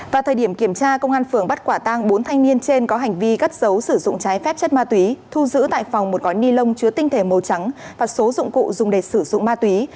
vào thời điểm kiểm tra công an phường bắt quả tang bốn thanh niên trên có hành vi cất dấu sử dụng trái phép chất ma túy thu giữ tại phòng một gói ni lông chứa tinh thể màu trắng và số dụng cụ dùng để sử dụng ma túy